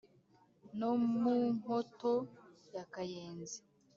No mu Nkoto ya Kayenzi